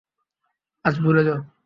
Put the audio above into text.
আজ ভুলে যাও।